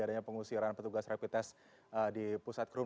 adanya pengusiran petugas reputasi di pusat krum